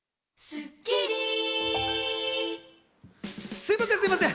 すみません、すみません！